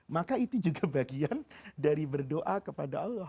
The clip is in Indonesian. maka itu juga bagian dari berdoa kepada allah